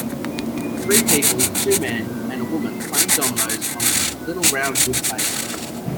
Three people, two men and a woman playing dominoes on a little round wood table.